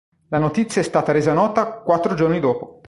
La notizia è stata resa nota quattro giorni dopo.